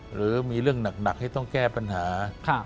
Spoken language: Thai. หรือมีเรื่องหนักให้ต้องแก้ปัญหา